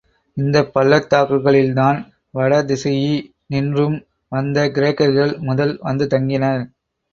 இந்தப் பள்ளத்தாக்குகளில்தான் வடதிசையினின்றும் வந்த கிரேக்கர்கள் முதல் வந்து தங்கினர்.